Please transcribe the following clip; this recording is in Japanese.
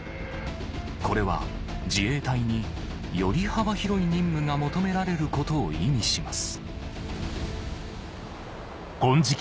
これは自衛隊により幅広い任務が求められることを意味します